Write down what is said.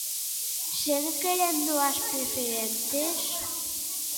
Segue querendo as Preferentes?